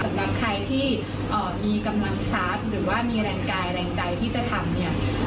สำหรับใครที่มีกำลังทรัพย์หรือว่ามีแรงกายแรงใจที่จะทำเนี่ย